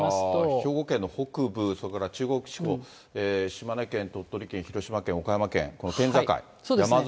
兵庫県の北部、それから中国地方、島根県、鳥取県、広島県、そうですね。